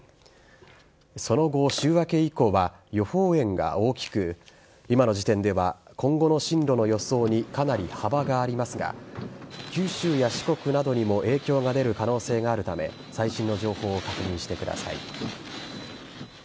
その後、週明け以降は予報円が大きく今の時点では今後の進路の予想にかなり幅がありますが九州や四国などにも影響が出る可能性があるため最新の情報を確認してください。